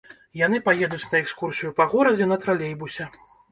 Яны паедуць на экскурсію па горадзе на тралейбусе.